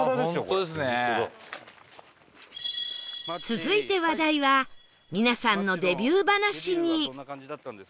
続いて話題は皆さんのデビュー話に